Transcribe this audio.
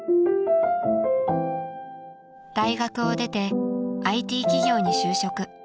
［大学を出てＩＴ企業に就職］